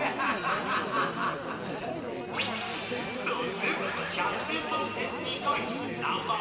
そして１００点満点２回！